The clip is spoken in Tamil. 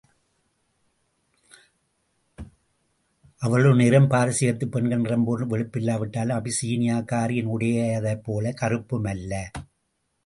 அவளுடைய நிறம் பாரசீகத்துப் பெண்களின் நிறம்போன்ற வெளுப்பில்லாவிட்டாலும் அபிசீனியாக்காரியின் உடையதைப் போலக் கருப்பும் அல்ல.